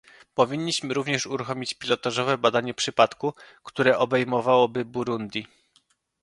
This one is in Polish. Powinniśmy również uruchomić pilotażowe badanie przypadku, które obejmowałoby Burundi